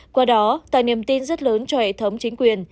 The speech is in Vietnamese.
qua đó tài niệm tin rất lớn cho hệ thống chính quyền